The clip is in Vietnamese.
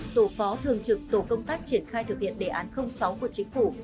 tổ phó thường trực tổ công tác triển khai thực hiện đề án sáu của chính phủ